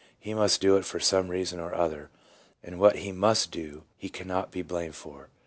He must do it for some reason or other, and what he MUST do he cannot be blamed for.